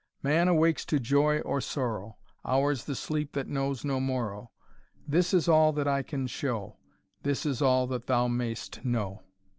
Man awakes to joy or sorrow; Ours the sleep that knows no morrow. This is all that I can show This is all that thou mayest know."